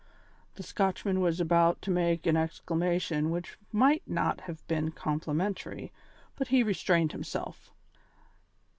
The Scotchman was about to make an exclamation which might not have been complimentary, but he restrained himself.